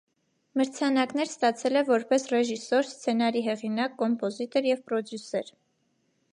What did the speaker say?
Մրցանակներ ստացել է որպես ռեժիսոր, սցենարի հեղինակ, կոմպոզիտոր և պրոդյուսեր։